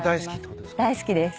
大好きです。